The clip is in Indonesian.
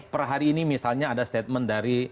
per hari ini misalnya ada statement dari